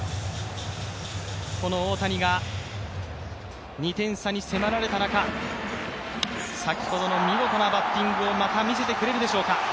この大谷が２点差に迫られた中、先ほどの見事なバッティングをまた見せてくれるでしょうか。